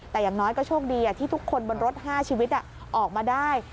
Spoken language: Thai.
แต่อย่างน้อยก็โชคดีที่ทุกคนบนรถ๕ชีวิตออกมาได้